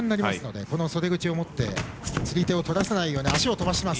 この袖口を持って釣り手をとらせないように足をとらせます。